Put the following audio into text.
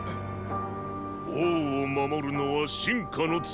王を守るのは臣下のつとめ。